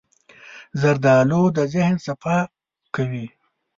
زردالو د ذهن صفا کوي.